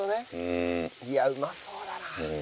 いやうまそうだな。